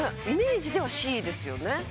イメージではＣですよね。